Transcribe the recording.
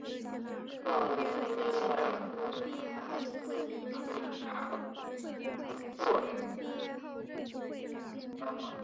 克吕维耶尔拉斯库尔。